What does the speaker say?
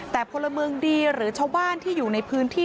แต่พลเมืองดีหรือชาวบ้านที่อยู่ในพื้นที่